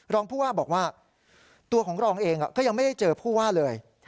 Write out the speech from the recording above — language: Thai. รองผู้ว่าบอกว่าตัวของรองเองก็ยังไม่ได้เจอผู้ว่าเลย